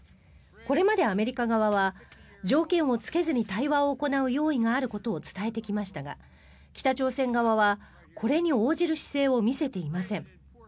これまでアメリカ側は条件をつけずに対話を行う用意があることを伝えてきましたが北朝鮮側は、これに応じる姿勢を見せていません。